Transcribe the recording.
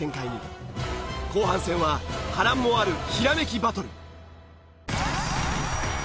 後半戦は波乱もあるひらめきバトル。